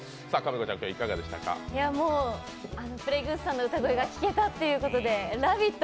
Ｐｌａｙ．Ｇｏｏｓｅさんの歌声が聴けたということで、「ラヴィット！」